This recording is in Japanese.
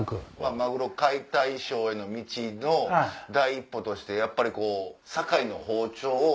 マグロ解体ショーへの道の第一歩としてやっぱり堺の包丁を。